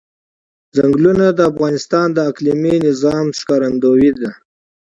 چنګلونه د افغانستان د اقلیمي نظام ښکارندوی ده.